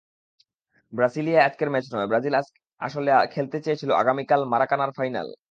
ব্রাসিলিয়ায় আজকের ম্যাচ নয়, ব্রাজিল আসলে খেলতে চেয়েছিল আগামীকাল মারাকানার ফাইনাল।